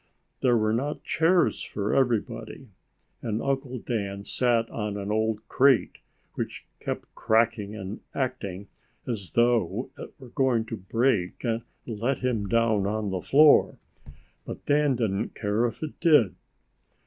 There were not chairs for everybody, and Uncle Dan sat on an old crate which kept cracking and acting as though it were going to break and let him down on the floor. But Dan didn't care if it did.